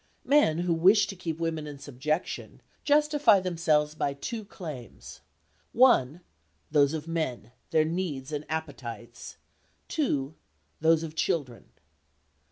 Men who wish to keep women in subjection justify themselves by two claims: (1) Those of men, their needs and appetites; (2) those of children.